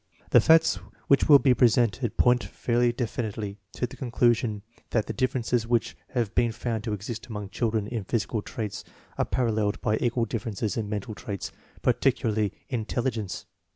The facts which will be presented point fairly definitely to the conclusion that the differences which have been found to exist among children in physical traits are paralleled by equal differences in mental traits, par ticularly intelligence.